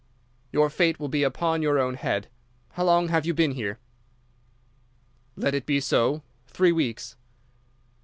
_' "'Your fate will be upon your own head. How long have you been here?' "'Let it be so. _Three weeks.